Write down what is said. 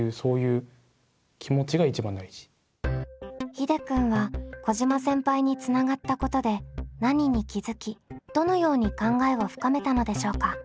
ひでくんは小嶋先輩につながったことで何に気付きどのように考えを深めたのでしょうか。